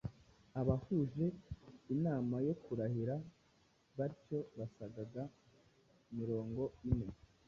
Abahuje inama yo kurahira batyo basagaga mirongo ine.”